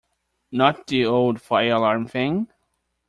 Not the old fire-alarm thing?